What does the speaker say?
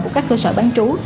của các cơ sở bán trú